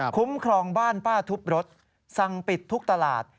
คุ้มครองบ้านป้าทุบรถสั่งปิดทุกตลาด